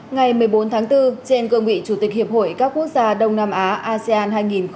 ngày một mươi bốn tháng bốn trên cương vị chủ tịch hiệp hội các quốc gia đông nam á asean hai nghìn hai mươi